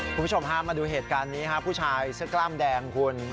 คุณผู้ชมฮะมาดูเหตุการณ์นี้ครับผู้ชายเสื้อกล้ามแดงคุณ